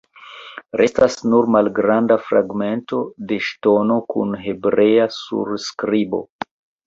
Restas nur malgranda fragmento de ŝtono kun hebrea surskribo.